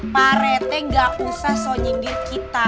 parete gak usah so nyindir kita